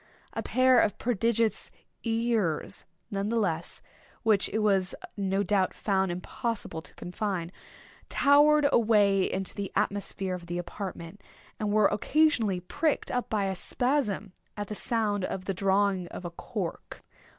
A pair of prodigious ears, nevertheless, which it was no doubt found impossible to confine, towered away into the atmosphere of the apartment, and were occasionally pricked up in a spasm, at the sound of the drawing of a cork.